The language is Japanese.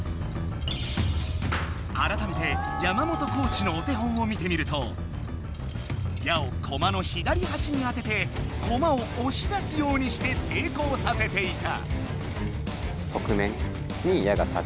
あらためて山本コーチのお手本を見てみると矢をコマの左はしに当ててコマをおし出すようにして成功させていた。